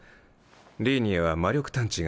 リーニエは魔力探知が得意で。